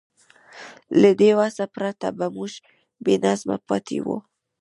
له دې وس پرته به موږ بېنظمه پاتې وو.